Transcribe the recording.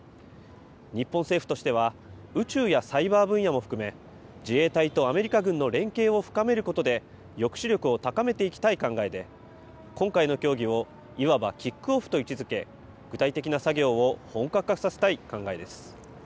日本政府としては、宇宙やサイバー分野も含め、自衛隊とアメリカ軍の連携を深めることで、抑止力を高めていきたい考えで、今回の協議をいわばキックオフと位置づけ、具体的な作業を本格化させたい考えです。